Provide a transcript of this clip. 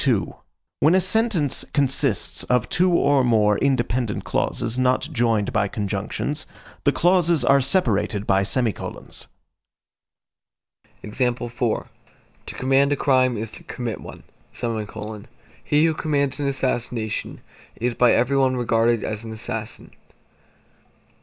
When a sentence consists of two or more independent clauses not joined by conjunctions, the clauses are separated by semicolons. To command a crime is to commit one; he who commands an assassination, is by every one regarded as an assassin.